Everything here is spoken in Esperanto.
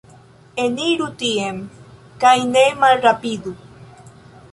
Eniru tien, kaj ne malrapidu.